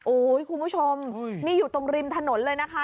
โอ้โหคุณผู้ชมนี่อยู่ตรงริมถนนเลยนะคะ